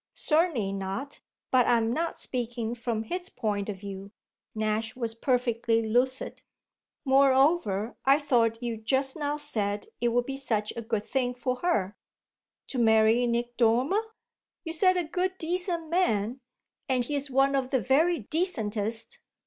"Certainly not, but I'm not speaking from his point of view." Nash was perfectly lucid. "Moreover, I thought you just now said it would be such a good thing for her." "To marry Nick Dormer?" "You said a good decent man, and he's one of the very decentest."